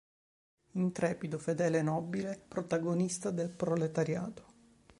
Intrepido, fedele, nobile protagonista del proletariato.